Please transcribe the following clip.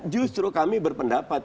justru kami berpendapat